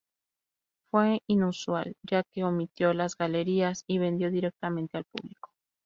Fue inusual, ya que omitió las galerías y vendió directamente al público.